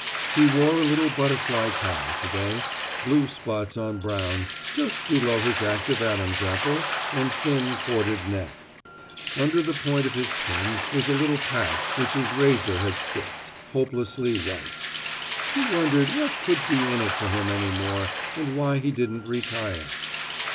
He wore a little butterfly tie, to day, blue spots on brown, just below his active Adam's apple and thin, corded neck. Under the point of his chin was a little patch which his razor had skipped, hopelessly white. She wondered what could be in it for him any more, and why he didn't retire.